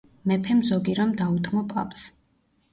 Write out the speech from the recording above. მეფემ ზოგი რამ დაუთმო პაპს.